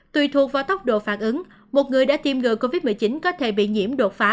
tùy thuộc vào tốc độ phản ứng một người đã tiêm ngừa covid một mươi chín có thể bị nhiễm đột phá